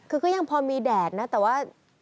คือก็ยังพอมีแดดนะแต่ว่า